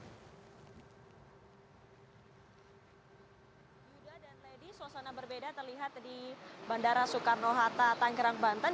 yuda dan lady suasana berbeda terlihat di bandara soekarno hatta tanggerang banten